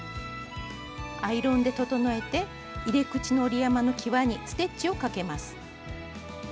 アイロンで整えて入れ口の折り山のきわにステッチをかけます。